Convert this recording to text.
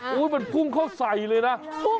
โอ้โหมันพุ่งเข้าใส่เลยนะ